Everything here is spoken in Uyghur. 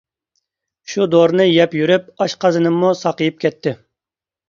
شۇ دورىنى يەپ يۈرۈپ ئاشقازىنىممۇ ساقىيىپ كەتتى.